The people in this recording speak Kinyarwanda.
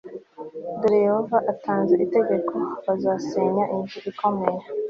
dore yehova atanze itegeko bazasenya inzu ikomeye